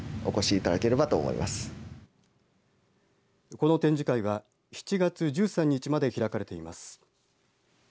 この展示会は７月１３日まで開かれています。